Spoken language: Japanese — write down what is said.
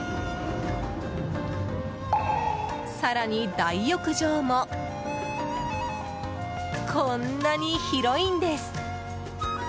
更に、大浴場もこんなに広いんです。